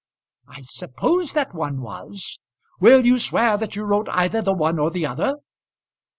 "I suppose that one was." "Will you swear that you wrote either the one or the other?"